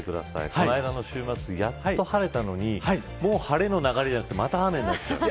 この間の週末やっと晴れたのにもう晴れの流れじゃなくてまた雨になっちゃう。